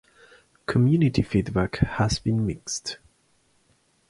Community feedback has been mixed.